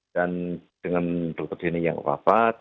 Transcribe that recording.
dan dengan dr denny yang wafat